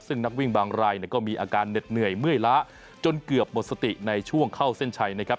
ซึ่งนักวิ่งบางรายก็มีอาการเหน็ดเหนื่อยเมื่อยล้าจนเกือบหมดสติในช่วงเข้าเส้นชัยนะครับ